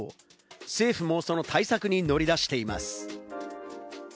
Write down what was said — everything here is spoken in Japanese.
政府もその対策に乗り出しています。